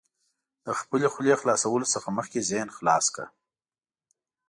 د خپلې خولې خلاصولو څخه مخکې ذهن خلاص کړه.